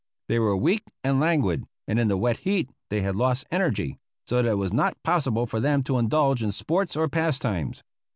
They were weak and languid, and in the wet heat they had lost energy, so that it was not possible for them to indulge in sports or pastimes.